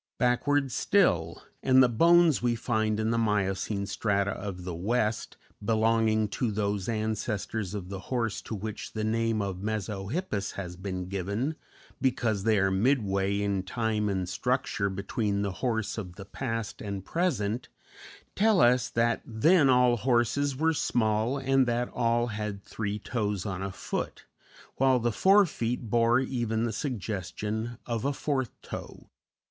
Backward still, and the bones we find in the Miocene strata of the West, belonging to those ancestors of the horse to which the name of Mesohippus has been given because they are midway in time and structure between the horse of the past and present, tell us that then all horses were small and that all had three toes on a foot, while the fore feet bore even the suggestion of a fourth toe.